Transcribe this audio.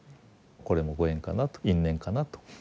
これもご縁かなと因縁かなと。